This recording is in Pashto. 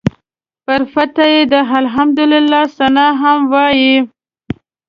پر فتحه یې د الحمدلله ثناء هم وایه.